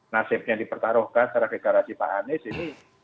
nasibnya dipertaruhkan secara deklarasi pak anies ini